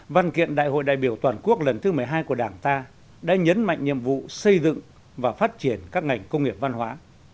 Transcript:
văn kiện đại hội đại biểu toàn quốc lần thứ một mươi hai của đảng ta đã nhấn mạnh nhiệm vụ xây dựng và phát triển các ngành công nghiệp văn hóa